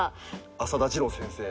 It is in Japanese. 浅田次郎先生。